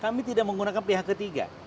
kami tidak menggunakan pihak ketiga